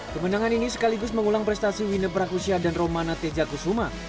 kemenangan ini sekaligus mengulang prestasi winner prakusia dan romana tejaku suma